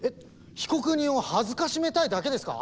被告人を辱めたいだけですか？